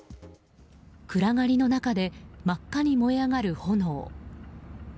暗がりの中で真っ赤に燃え上がる炎。